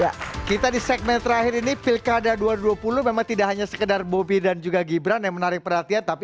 ya kita di segmen terakhir ini pilkada dua ribu dua puluh memang tidak hanya sekedar bobi dan juga gibran yang menarik perhatian tapi